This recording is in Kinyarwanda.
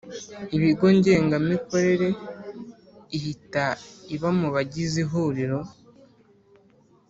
ibigo Ngengamikorere ihita iba mu bagize Ihuriro